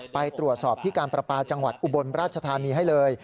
ไปตรวจสอบที่การประปาจังหวัดอุบลราชธานีให้เลย